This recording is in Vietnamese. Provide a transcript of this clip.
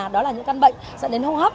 đó là những căn bệnh dẫn đến hô hấp